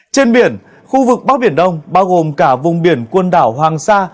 trên biển khu vực bắc biển đông bao gồm cả vùng biển quần đảo hoàng sa